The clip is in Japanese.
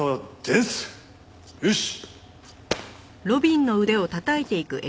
よし！